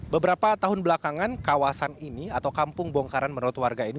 beberapa tahun belakangan kawasan ini atau kampung bongkaran menurut warga ini